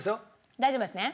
大丈夫です。